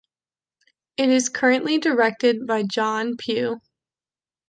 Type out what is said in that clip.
It is currently directed by John Pew.